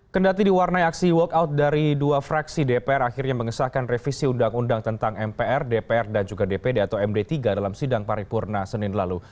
kendati diwarnai aksi walkout dari dua fraksi dpr akhirnya mengesahkan revisi undang undang tentang mpr dpr dan juga dpd atau md tiga dalam sidang paripurna senin lalu